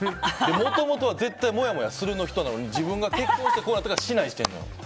もともとは絶対もやもやするの人なのに自分が結婚したからしないにしてるの。